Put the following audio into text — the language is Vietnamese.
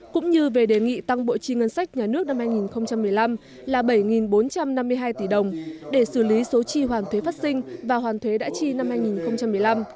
cũng như về đề nghị tăng bộ chi ngân sách nhà nước năm hai nghìn một mươi năm là bảy bốn trăm năm mươi hai tỷ đồng để xử lý số chi hoàn thuế phát sinh và hoàn thuế đã chi năm hai nghìn một mươi năm